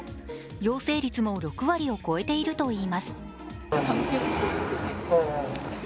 陽性率も６割を超えているといいます。